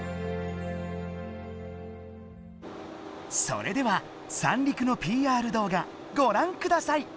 それでは三陸のＰＲ動画ご覧ください！